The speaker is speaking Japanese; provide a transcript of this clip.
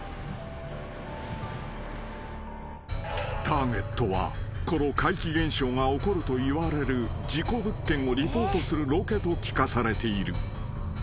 ［ターゲットはこの怪奇現象が起こるといわれる事故物件をリポートするロケと聞かされている］